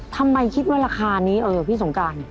ทำไมคิดว่าราคานี้พี่สงคราน